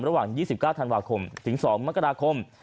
ระหว่าง๒๙ธันวาคมถึง๒มกราคม